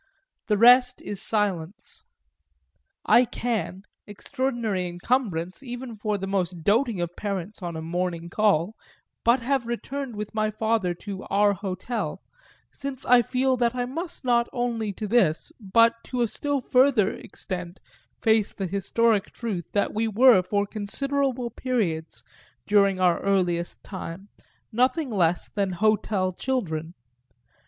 The rest is silence; I can extraordinary encumbrance even for the most doating of parents on a morning call but have returned with my father to "our hotel"; since I feel that I must not only to this but to a still further extent face the historic truth that we were for considerable periods, during our earliest time, nothing less than hotel children.